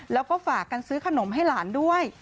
แล้วก็ฝากกันซื้อขนมให้หลานด้วย